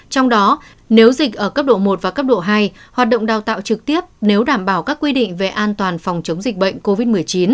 trong đó nếu dịch ở cấp độ một và cấp độ hai hoạt động đào tạo trực tiếp nếu đảm bảo các quy định về an toàn phòng chống dịch bệnh covid một mươi chín